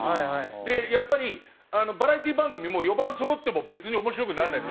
でやっぱりバラエティー番組も４番そろっても別に面白くならないんです。